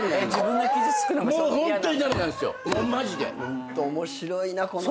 ホント面白いなこの人。